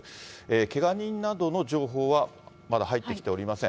けが人などの情報はまだ入ってきておりません。